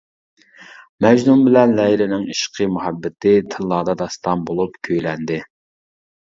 مەجنۇن بىلەن لەيلىنىڭ ئىشقى-مۇھەببىتى تىللاردا داستان بولۇپ كۈيلەندى.